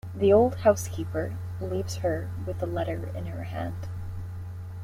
The old housekeeper leaves her with the letter in her hand.